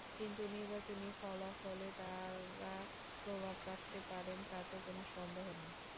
কিন্তু নির্বাচনী ফলাফলে তাঁরা প্রভাব রাখতে পারেন, তাতে কোনো সন্দেহ নেই।